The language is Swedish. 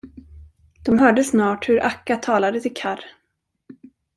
De hörde snart hur Akka talade till Karr.